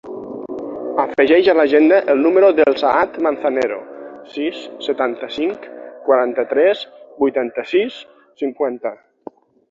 Afegeix a l'agenda el número del Saad Manzanero: sis, setanta-cinc, quaranta-tres, vuitanta-sis, cinquanta.